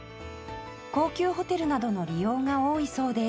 高級ホテルなどの利用が多いそうです